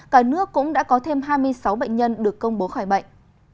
cả nước cũng đã có thêm hai mươi sáu bệnh nhân được công bố khỏi bệnh